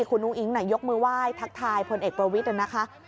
คุณอู๋อิงค์หน่อยยกมือไหว้ทักทายผลเอกประวิทย์ด้วยนะคะ